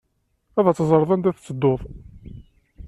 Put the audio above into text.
Ad teẓreḍ anda tettedduḍ.